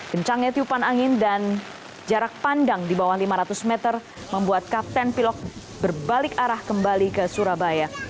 kencangnya tiupan angin dan jarak pandang di bawah lima ratus meter membuat kapten pilot berbalik arah kembali ke surabaya